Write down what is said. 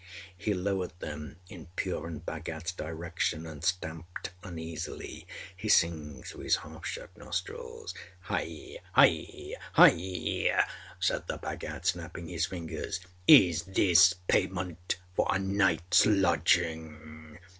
He lowered them in Purun Bhagatâs direction and stamped uneasily, hissing through his half shut nostrils. âHai! Hai! Hai!â said the Bhagat, snapping his fingers, âIs THIS payment for a nightâs lodging?